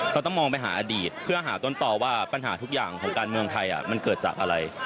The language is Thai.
ต้องมองไปหาอดีตเพื่อหาต้นต่อว่าปัญหาทุกอย่างของการเมืองไทยมันเกิดจากอะไร